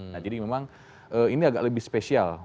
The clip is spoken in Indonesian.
nah jadi memang ini agak lebih spesial